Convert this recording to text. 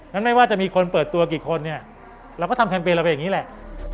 งั้นไม่ว่าจะมีคนเปิดตัวกี่คนเราก็ทำแคมเปญเราไปอย่างนี้แหละ